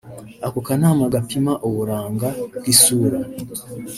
Ako kanama gapima uburanga bw’isura